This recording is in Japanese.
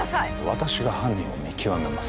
私が犯人を見極めます